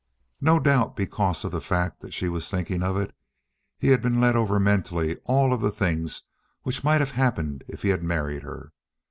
No doubt because of the fact that she was thinking of it, he had been led over mentally all of the things which might have happened if he had married her.